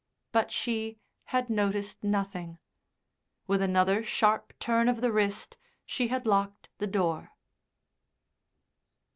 But she had noticed nothing; with another sharp turn of the wrist she had locked the door.